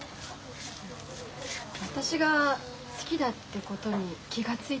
私が好きだってことに気が付いてないの。